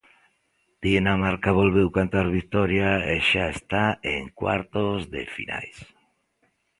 Dinamarca volveu cantar vitoria e xa está en cuartos de final.